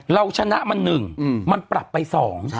เราชนะมันหนึ่งมันปรับไปสอง